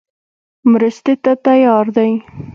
مرستې ته تیار دی.